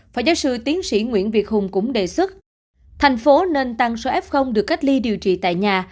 phó giáo sư tiến sĩ nguyễn việt hùng cũng đề xuất thành phố nên tăng số f được cách ly điều trị tại nhà